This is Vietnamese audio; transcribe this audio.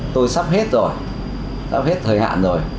tôi sắp hết rồi sắp hết thời hạn rồi